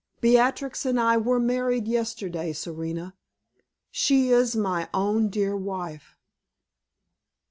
Beatrix and I were married yesterday, Serena; she is my own dear wife."